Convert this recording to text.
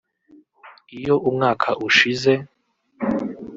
iyo umwaka ushize